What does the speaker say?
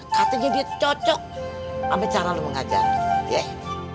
katanya dia cocok sama cara lu mengajar yeh